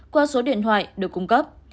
qua số điện thoại được cung cấp